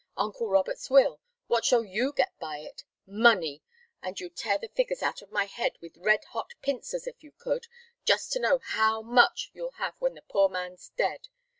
Uncle Robert's will what shall you get by it? Money and you'd tear the figures out of my head with red hot pincers if you could just to know how much you'll have when the poor man's dead.